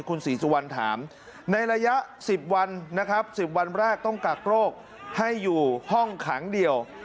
คุณศรีสุวรรณถามในระยะ๑๐วันนะครับ๑๐วันแรกต้องกักโรคให้อยู่ห้องขังเดียว